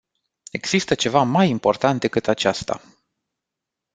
Există ceva mai important decât aceasta.